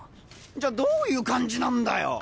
じゃどういう感じなんだよ。